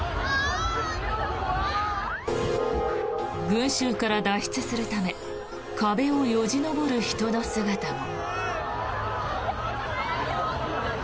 群衆から脱出するため壁をよじ登る人の姿も。